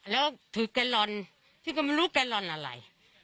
แล้วถูกการณ์พี่ก็ไม่รู้การณ์อะไร